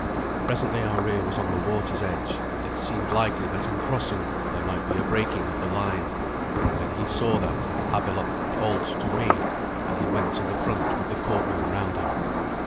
Presently our rear was on the water's edge, and it seemed likely that in crossing there might be a breaking of the line; and when he saw that, Havelok called to me, and he went to the front with the courtmen round him.